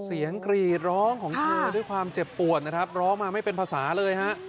กรีดร้องของเธอด้วยความเจ็บปวดนะครับร้องมาไม่เป็นภาษาเลยฮะ